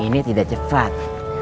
ini tidak cepat